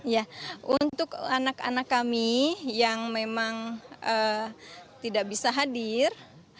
ya untuk anak anak kami yang memang tidak bisa hadir